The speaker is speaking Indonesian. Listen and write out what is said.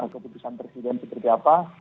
keputusan presiden seperti apa